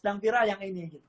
sedang viral yang ini